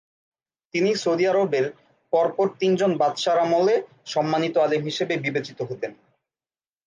তিনি সৌদি আরবের পর পর তিন জন বাদশাহর আমলে সম্মানিত আলেম হিসেবে বিবেচিত হতেন।